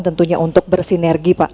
tentunya untuk bersinergi pak